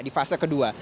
di fase kedua